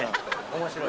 面白い。